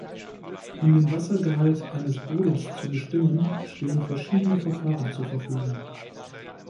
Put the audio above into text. Um den Wassergehalt eines Bodens zu bestimmen, stehen verschiedene Verfahren zur Verfügung.